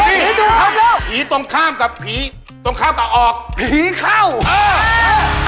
เห้ยผีถูกหยุดแล้วผีตรงข้ามกับผีตรงข้ามกับออกผีเข้าเออ